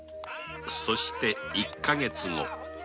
そして一か月後